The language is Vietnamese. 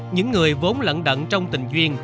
những người vốn lẫn đận trong tình duyên